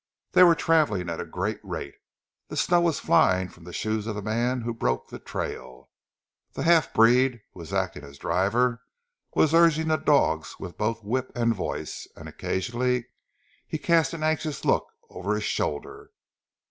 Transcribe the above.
They were travelling at a great rate. The snow was flying from the shoes of the man who broke the trail. The half breed who was acting as driver was urging the dogs with both whip and voice, and occasionally he cast an anxious look over his shoulder.